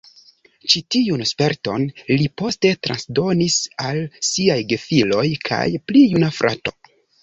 Ĉi tiun sperton li poste transdonis al siaj gefiloj kaj pli juna frato.